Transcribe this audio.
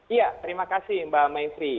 iya terima kasih mbak mayfri